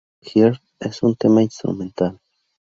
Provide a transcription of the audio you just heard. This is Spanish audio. Earth es un tema instrumental.